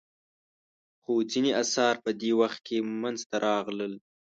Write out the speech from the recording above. خو ځینې اثار په دې وخت کې منځته راغلل.